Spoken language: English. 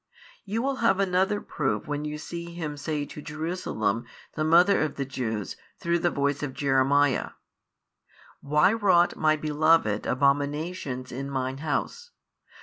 You will have another proof when you see Him say to Jerusalem the mother of the Jews through the voice of Jeremiah, Why wrought My beloved abominations in Mine House?